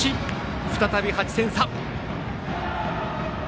再び８点差。